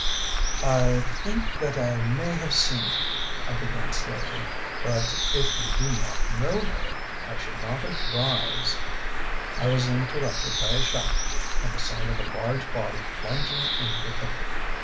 "I think that I may have seen her," I began slowly; "but if you do not know her I should not advise " I was interrupted by a shout and the sound of a large body plunging in the thicket.